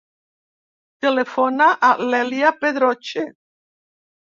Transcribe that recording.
Telefona a l'Èlia Pedroche.